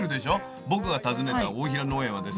僕が訪ねた大平農園はですね